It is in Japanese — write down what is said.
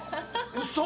嘘？